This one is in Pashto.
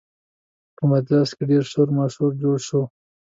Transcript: په مجلس کې ډېر شور ماشور جوړ شو